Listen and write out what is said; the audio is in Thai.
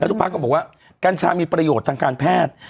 ทุกพักก็บอกว่ากัญชามีประโยชน์ทางการแพทย์